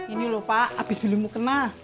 ini loh pak abis beli mau kena